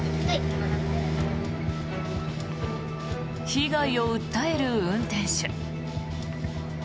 被害を訴える運転手。